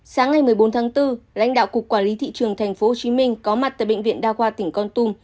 sáng ngày một mươi bốn tháng bốn lãnh đạo cục quản lý thị trường tp hcm có mặt tại bệnh viện đa khoa tỉnh con tum